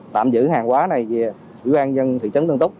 tạm giữ hàng hóa này về ủy ban nhân thị trấn tân túc